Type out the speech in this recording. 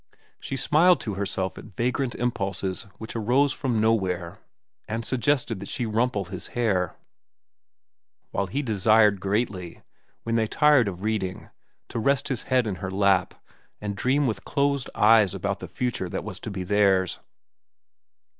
She smiled to herself at vagrant impulses which arose from nowhere and suggested that she rumple his hair; while he desired greatly, when they tired of reading, to rest his head in her lap and dream with closed eyes about the future that was to be theirs.